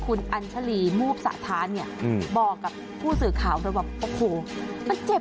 คุณอันชะลีมูบสะท้านเนี้ยอืมบอกกับผู้สื่อข่าวแล้วบอกว่าโอ้โหมันเจ็บ